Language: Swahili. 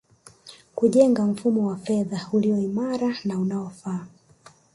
Kujenga mfumo wa fedha ulio imara na unaofaa